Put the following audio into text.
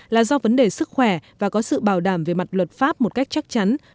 là do vấn đề sức khỏe và có sự bảo đảm về mặt luật pháp một cách chắc chắn